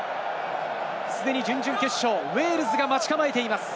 すでに準々決勝、ウェールズが待ち構えています。